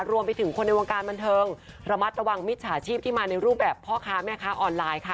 รวมไปถึงคนในวงการบันเทิงระมัดระวังมิจฉาชีพที่มาในรูปแบบพ่อค้าแม่ค้าออนไลน์ค่ะ